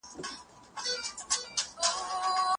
تحول سته.